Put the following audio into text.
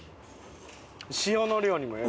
塩の量にもよる。